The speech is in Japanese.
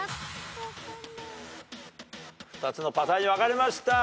２つのパターンに分かれました。